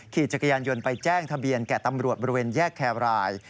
ขี่จักรยานยนต์ไปแจ้งทะเบียนแก่ตำรวจบริเวณแยกแครราย